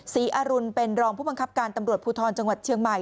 อรุณเป็นรองผู้บังคับการตำรวจภูทรจังหวัดเชียงใหม่